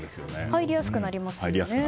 入りやすくなりますよね。